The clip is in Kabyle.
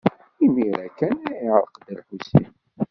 Imir-a kan ay yeɛreq Dda Lḥusin.